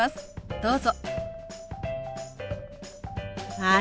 どうぞ。